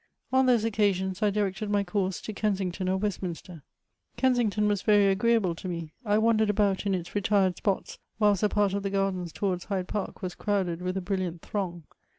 On those occasions I directed my course to Kensington or Westminster. Kensington was very agreeable to me ; I wan dered about in its retired spots, whilst the part of the g^ardens towards Hyde Park was crowded with a brilliant throng.